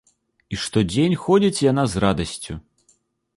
І штодзень ходзіць яна з радасцю.